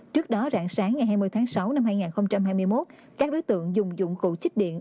trước đó rạng sáng ngày hai mươi tháng sáu năm hai nghìn hai mươi một các đối tượng dùng dụng cụ chích điện